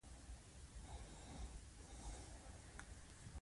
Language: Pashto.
له سترګو مې خوب تښتیدلی